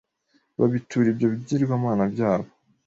babitura ibyo bigirwamana byabo.